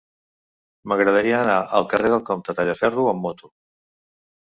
M'agradaria anar al carrer del Comte Tallaferro amb moto.